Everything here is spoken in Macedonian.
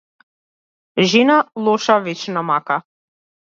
Жена лоша вечна мака.